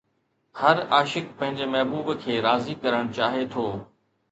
هر عاشق پنهنجي محبوب کي راضي ڪرڻ چاهي ٿو.